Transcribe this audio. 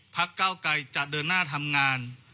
ภักดิ์เก้ากลายจะเดินหน้าทำงาน